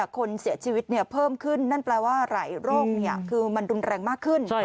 คนเสียชีวิตเพิ่มขึ้นนั่นแปลว่าหลายโรคคือมันรุนแรงมากขึ้น